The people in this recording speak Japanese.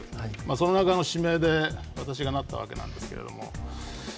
その中の指名で私がなったわけなんですけれども。